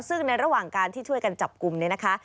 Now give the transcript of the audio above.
ซึ่งในระหว่างการที่ช่วยกันจับกลุ่มเนี่ยนะคะ